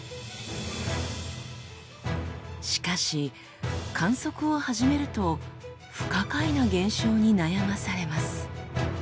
しかし観測を始めると不可解な現象に悩まされます。